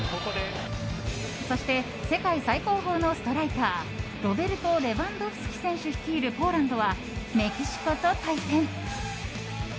そして世界最高峰のストライカーロベルト・レヴァンドフスキ選手率いるポーランドはメキシコと対戦。